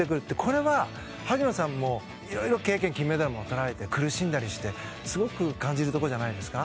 これは萩野さんも色々経験金メダルも取られて苦しんだりしてすごく感じるとこじゃないですか？